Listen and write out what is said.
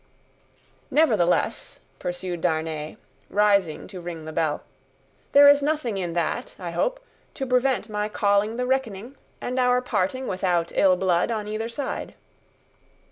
"Nevertheless," pursued Darnay, rising to ring the bell, "there is nothing in that, I hope, to prevent my calling the reckoning, and our parting without ill blood on either side."